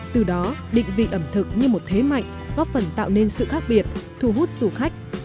từ đó định vị ẩm thực như một thế mạnh góp phần tạo nên sự khác biệt thu hút du khách